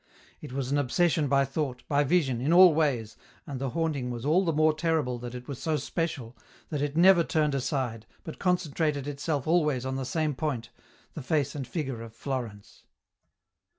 It was an obsession by thought, by vision, in all ways, and the haunting was all the more terrible that it was so special, that it never turned aside, but concentrated itself always on the same point, the face and figure of Florence.